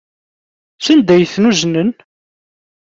Sanda ay ten-uznen?